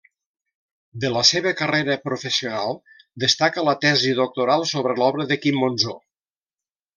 De la seva carrera professional destaca la tesi doctoral sobre l'obra de Quim Monzó.